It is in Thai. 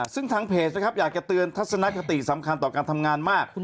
ซึ่งทางเพจนะครับอยากจะเตือนทัศนคติสำคัญต่อการทำงานมาก